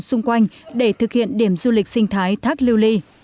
xung quanh để thực hiện điểm du lịch sinh thái thác lưu ly